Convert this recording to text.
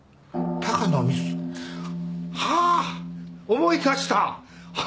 思い出した。